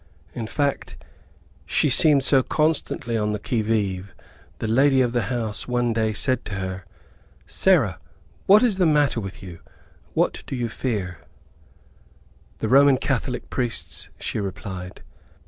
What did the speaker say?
In fact, she seemed so constantly on the qui vive, the lady of the house one day said to her, "Sarah, what is the matter with you? what do you fear?" "The Roman Catholic priests," she replied.